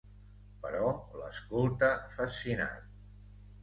Però l'escolta fascinat.